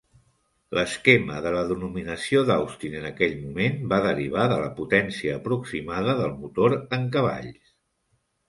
L'esquema de la denominació d'Austin en aquell moment va derivar de la potència aproximada del motor en cavalls.